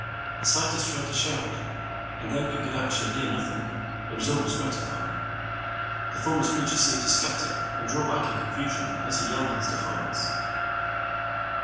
The scientist tried to shout, and though he could actually hear nothing, the result was gratifying. The formless creatures seemed to scatter and draw back in confusion as he yelled his defiance.